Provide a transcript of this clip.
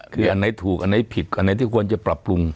คืออันไหนถูกอันไหนผิดอันไหนที่ควรจะปรับปรุง